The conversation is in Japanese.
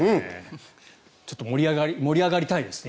ちょっと盛り上がりたいですね。